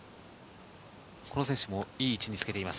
この選手もいい位置につけています。